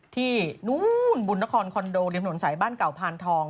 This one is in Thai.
ที่นู่นบุญนครคอนโดริมถนนสายบ้านเก่าพานทอง